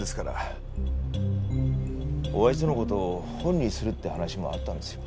親父との事を本にするって話もあったんですよ。